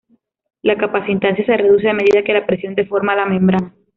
La capacitancia se reduce a medida que la presión deforma la membrana.